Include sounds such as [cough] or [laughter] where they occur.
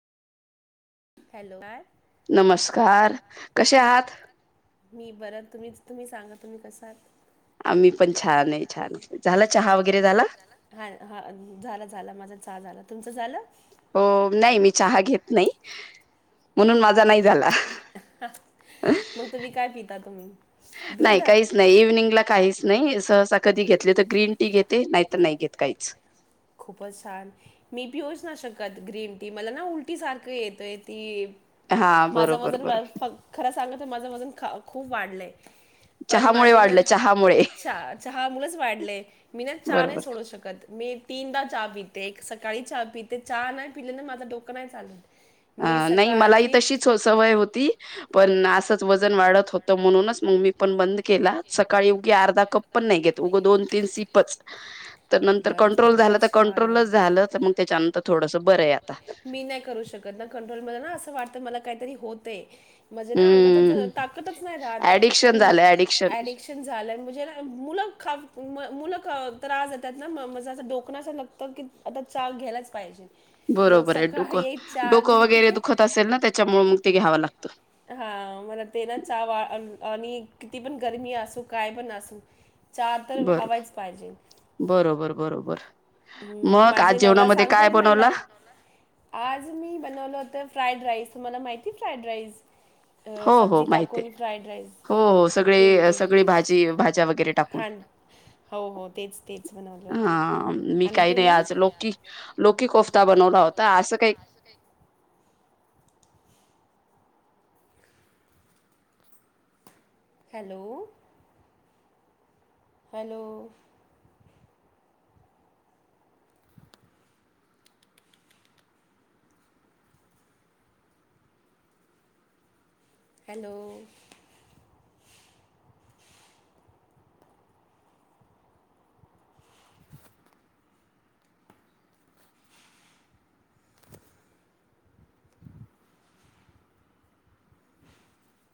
Hello नमस्कार कसे आहात मी बरं तुम्ही तुम्ही सांगा तुम्ही कसा आहात आम्ही पण छान आहे छान झाला चहा वगैरे झाला हा हा झाला झाला माझा चहा झाला तुमच झाल हो नाही मी चहा घेत नाही म्हणुन माझा नाही झाला मग तुम्ही काय पिता तुम्ही दुध नाही काहीच नाही इव्हनिंगला काही नाही सहसा कधी घेतले तर ग्रीन टी घेते नाही तर नाही घेत काहीच खुपच छान मी पिऊच ना शकत ग्रीन टी मला ना उलटी सारख येतय ते हा माझं बरोबर वजन बरोबर व ख खर सांग तर माझं वजन ख खूप वाढलंय. पण चहामुळे माझे ना कशामुळे वाढलं, चहा म चहा चहा मुळेच वाढलय. मी ना चहा नाही बरोबर. सोडू शकत. मी तीनदा चहा पिते. एक सकाळी चहा पीते, चहा नाही पीले ना माझ डोक नाही चालत. मी अ नाही मलाही सकाळची तशीच हो सवय होती. पण असंच वजन वाढत होतं म्हणूनच मग मी पण बंद केला. सकाळी उगी अर्धा कप पण नाही घेत, उग दोन तीन सीपच. तर नंतर नाही कंट्रोल खूपच झालं तर छान आहे. कंट्रोलच झालं. तर मग त्याच्यानंतर थोडंसं बरं आहे आता मी नाही करू शकत ना कंट्रोल. मला ना असं वाटतं मला काहीतरी होतंय. म्हणजे ना अंगातच हम्म ताकदच नाही रहात. ऍडिक्शन मग झालं ऍडिक्शन ॲडी शन झालंय ना. म्हणजे मुलं ख मुलं अ त्रास देतायेत ना, माझं असं डोकं ना असं लागतं की आता चहा घ्यायलाच पाहिजे. मग बरोबर आहे. सकाळी डोकं एक चहा डोकं घेते. वगैरे दुखत असेल ना, त्याच्यामुळे मग ते घ्यावं लागतं. हा. मला ते ना चा वा अण आणि किती पण गरमी असू काय पण असू चहा तर बरोबर हवाच पाहिजे. बरोबर बरोबर हं, मग माझे आज नवरा जेवणामध्ये काय सांगतात बनवला मला आज मी बनवलं होतं फ्राईड राईस. तुम्हाला माहितीये फ्राईड राईस? अ, हो सब्जी हो माहितीये. टाकून फ्राईड राईस. हो हो ते सगळे ते ते. सगळी भाजी भाज्या वगैरे टाकून. हां, हो, हो. तेच तेच बनवलं होतं. हं. मी आणि काही नाही तुम्ही? आज लौकी लोकि कोफता बनवला होता. असं काही [unintelligible] हॅलो, हॅलो. हॅलो, [inaudible]